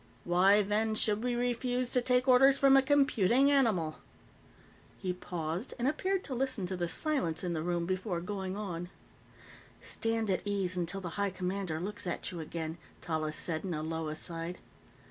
"Why, then, should we refuse to take orders from a computing animal?" He paused and appeared to listen to the silence in the room before going on. "Stand at ease until the High Commander looks at you again," Tallis said in a low aside.